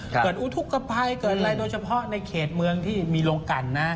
เกิดอุทุกข์กระไพรเกิดอะไรโดยเฉพาะในเขตเมืองที่มีโรงกรรมน่ะ